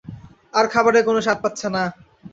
আর খাবারের কোনো স্বাদ পাচ্ছে না।